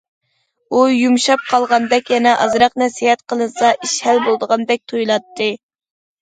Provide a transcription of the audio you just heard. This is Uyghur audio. ئۇ يۇمشاپ قالغاندەك، يەنە ئازراق نەسىھەت قىلىنسا ئىش ھەل بولىدىغاندەك تۇيۇلاتتى.